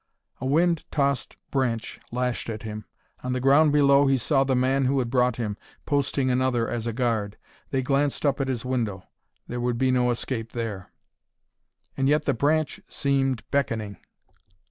A wind tossed branch lashed at him. On the ground below he saw the man who had brought him, posting another as a guard. They glanced up at his window. There would be no escape there. And yet the branch seemed beckoning.